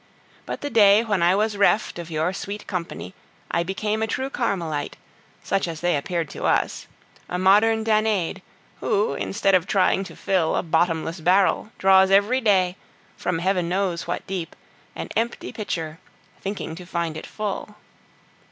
But the day when I was reft of your sweet company, I became a true Carmelite, such as they appeared to us, a modern Danaid, who, instead of trying to fill a bottomless barrel, draws every day, from Heaven knows what deep, an empty pitcher, thinking to find it full.